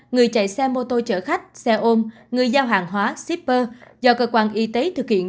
người chạy xe mô tô chở khách xe ôm người giao hàng hóa shipper do cơ quan y tế thực hiện